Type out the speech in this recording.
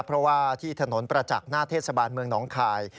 เพราะว่าที่ถนนประจักษ์หน้าเทศบาลเมืองหนองคาย